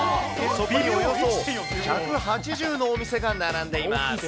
そこにおよそ１８０のお店が並んでいます。